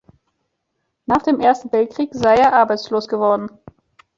Nach dem Ersten Weltkrieg sei er arbeitslos geworden.